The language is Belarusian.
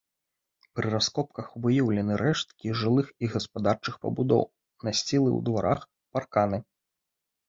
Пры раскопках выяўлены рэшткі жылых і гаспадарчых пабудоў, насцілы ў дварах, парканы.